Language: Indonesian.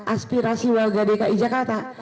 aspirasi warga dki jakarta